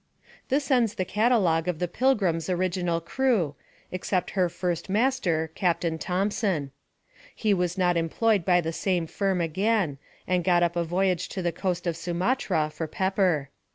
This ends the catalogue of the Pilgrim's original crew, except her first master, Captain Thompson. He was not employed by the same firm again, and got up a voyage to the coast of Sumatra for pepper.